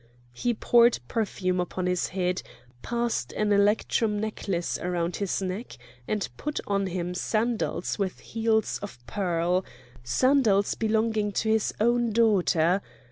He poured perfume upon his head, passed an electrum necklace around his neck, and put on him sandals with heels of pearl,—sandals belonging to his own daughter!